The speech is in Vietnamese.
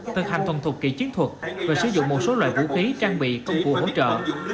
thực hành thuần thục kỹ chiến thuật và sử dụng một số loại vũ khí trang bị công cụ hỗ trợ